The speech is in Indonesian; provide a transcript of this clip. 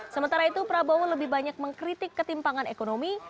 sementara itu prabowo lebih banyak mengkritik ketimpangan ekonomi